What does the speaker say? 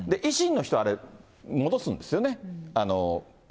維新の人は、あれ、戻すんですよね。